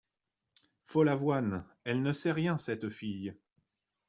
Follavoine Elle ne sait rien cette fille !